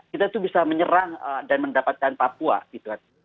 kita tuh bisa menyerang dan mendapatkan papua gitu kan